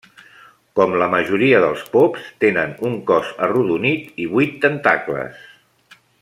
Com la majoria dels pops, tenen un cos arrodonit i vuit tentacles.